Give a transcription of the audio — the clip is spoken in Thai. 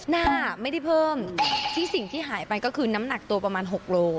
หน้าไม่ได้เพิ่มที่สิ่งที่หายไปก็คือน้ำหนักตัวประมาณ๖โล